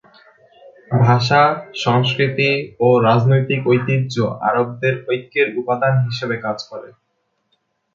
ভাষা, সংস্কৃতি ও রাজনৈতিক ঐতিহ্য আরবদের ঐক্যের উপাদান হিসেবে কাজ করে।